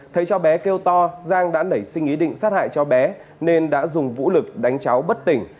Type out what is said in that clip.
thấy cháu bé kêu to giang đã nảy sinh ý định sát hại cho bé nên đã dùng vũ lực đánh cháu bất tỉnh